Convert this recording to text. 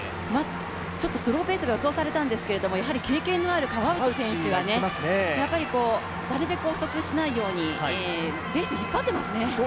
ちょっとスローペースが予想されたんですけどやはり経験のある川内選手がなるべく遅くしないようにレースを引っ張っていますね。